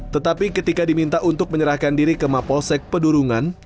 tetapi ketika diminta untuk menyerahkan diri ke maposek pendurungan